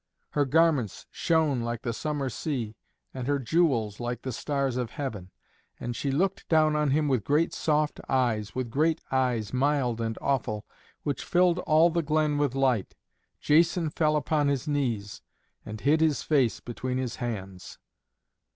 Her garments shone like the summer sea, and her jewels like the stars of heaven. And she looked down on him with great soft eyes, with great eyes, mild and awful, which filled all the glen with light. Jason fell upon his knees and hid his face between his hands.